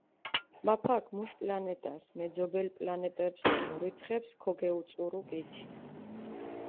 მაფაქ მუშ პლანეტას, მეძობელ პლანეტეფს დო მურიცხეფს ქოგეუწურუ კითი.